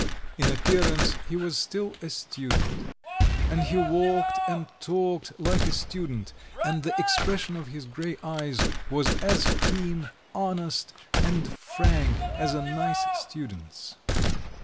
In appearance he was still a student. And he walked and talked like a student, and the expression of his grey eyes was as keen, honest, and frank as a nice student's.